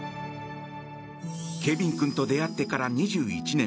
ケビン君と出会ってから２１年。